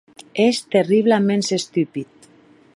Ès terriblaments estupid.